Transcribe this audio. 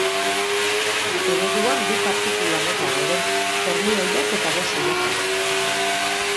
Ereduan bi partikula mota daude, fermioiak eta bosoiak.